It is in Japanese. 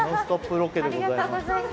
ロケでございます。